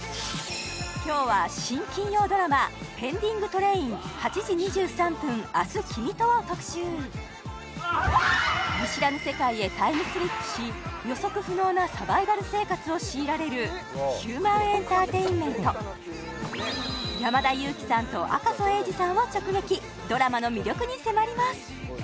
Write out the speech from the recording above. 今日は新金曜ドラマ「ペンディングトレイン−８時２３分、明日君と」を特集見知らぬ世界へタイムスリップし予測不能なサバイバル生活を強いられるヒューマンエンターテインメント山田裕貴さんと赤楚衛二さんを直撃